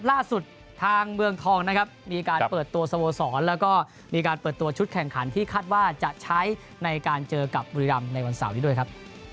ล่าสุดทางเมืองทองนะครับมีการเปิดตัวสโมสรแล้วก็มีการเปิดตัวชุดแข่งขันที่คาดว่าจะใช้ในการเจอกับบุรีรำในวันเสาร์นี้ด้วยครับ